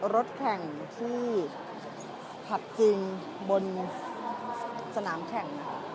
รถแข่งที่ผัดจริงบนสนามแข่ง